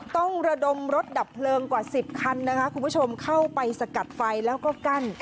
ต้องระดมรถดับเพลิงกว่า๑๐คันนะคะคุณผู้ชมเข้าไปสกัดไฟแล้วก็กั้น